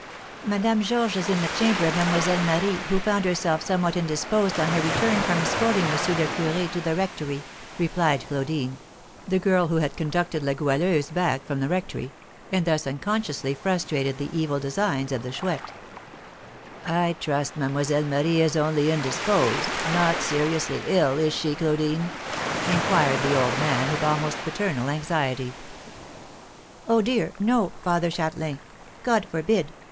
"Madame Georges is in the chamber of Mlle. Marie, who found herself somewhat indisposed on her return from escorting M. le Curé to the rectory," replied Claudine, the girl who had conducted La Goualeuse back from the rectory, and thus unconsciously frustrated the evil designs of the Chouette. "I trust Mlle. Marie is only indisposed, not seriously ill, is she, Claudine?" inquired the old man, with almost paternal anxiety. "Oh, dear, no, Father Châtelain! God forbid!